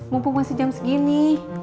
mumpung masih jam segini